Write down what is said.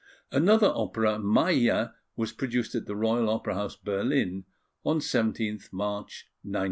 Another opera, Maia, was produced at the Royal Opera House, Berlin, on 17th March, 1911.